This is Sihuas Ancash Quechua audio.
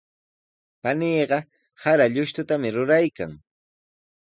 Paniiqa sara luqrutami ruraykan.